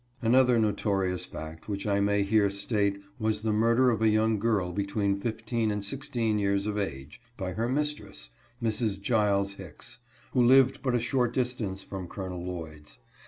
Another notorious fact which I may here state was the murder of a young girl between fifteen and sixteen years of age, by her mistress, Mrs. Giles Hicks, who lived but a short distance from Col. Lloyd's.